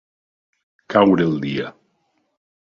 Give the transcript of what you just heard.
Caure el dia.